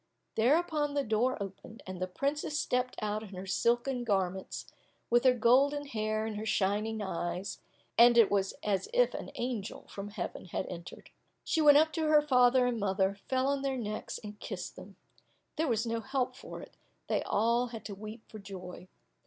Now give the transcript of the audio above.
Thereupon the door opened, and the princess stepped out in her silken garments, with her golden hair and her shining eyes, and it was as if an angel from heaven had entered. She went up to her father and mother, fell on their necks and kissed them; there was no help for it, they all had to weep for joy.